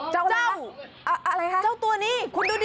เจ้าอะไรนะอะไรคะเจ้าตัวนี้คุณดูดี